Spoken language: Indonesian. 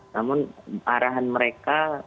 namun arahan mereka